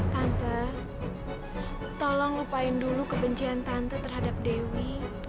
tante tolong lupain dulu kebencian tante terhadap dewi